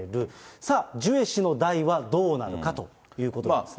さあ、ジュエ氏の代はどうなのかということですね。